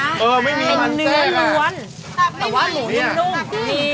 แต่ว่าหมูนุ่ม